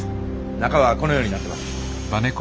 中はこのようになってます。